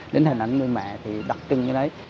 đến hình ảnh người mẹ thì đặc trưng như đấy